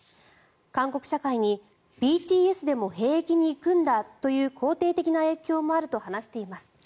韓国社会にＢＴＳでも兵役に行くんだという肯定的な影響もあると話しています。